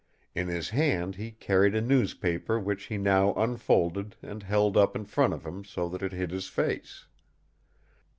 In his hand he carried a newspaper which he now unfolded and held up in front of him so that it hid his face.